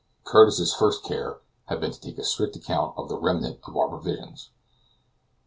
Curtis's first care had been to take a strict account of the remnant of our provisions.